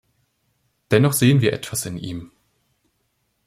Dennoch sehen wir etwas in ihm.